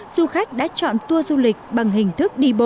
du khách đã chọn tour du lịch bằng hình thức đi bộ